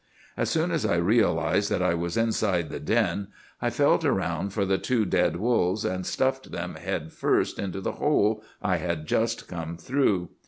"'As soon as I realized that I was inside the den, I felt round for the two dead wolves, and stuffed them head first into the hole I had just come through.